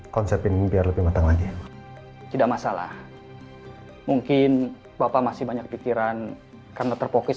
konsep ini biar lebih matang mati tidak masalah mungkin bapak masih banyak pikiran karena terpokis